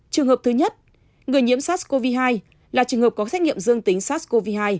trường hợp thứ nhất người nhiễm sars cov hai là trường hợp có xét nghiệm dương tính sars cov hai